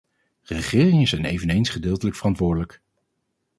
Regeringen zijn eveneens gedeeltelijk verantwoordelijk.